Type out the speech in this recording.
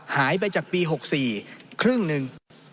หายไปจากปี๖๔ครึ่งหนึ่ง